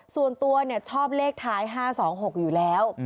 ส่วนตัวชอบเลขท้าย๕๒๖อยู่แล้ว